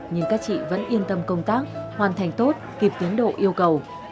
nhưng các chị vẫn yên tâm công tác hoàn thành tốt kịp tiến độ yêu cầu